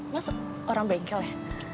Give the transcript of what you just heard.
mas orang bengkel ya